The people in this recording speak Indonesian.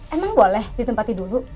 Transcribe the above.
emang boleh ditempatin dulu